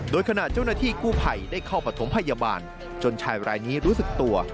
โดยขณะเจ้าหน้าที่กู้ภัยได้เข้าประถมพยาบาลจนชายรายนี้รู้สึกตัว